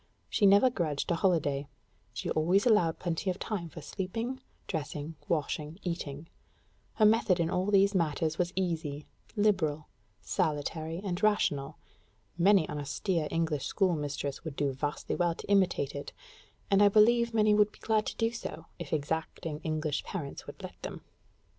She never grudged a holiday; she allowed plenty of time for sleeping, dressing, washing, eating: her method in all these matters was easy, liberal, salutary, and rational; many an austere English schoolmistress would do vastly well to imitate it and I believe many would be glad to do so, if exacting English parents would let them.